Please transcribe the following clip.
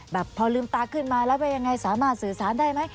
พอลืมตาขึ้นมาแล้วว่ายังไงสามารถสื่อสารได้ไหม